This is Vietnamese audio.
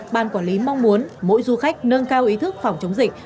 ban quản lý mong muốn mỗi du khách nâng cao ý thức phòng chống dịch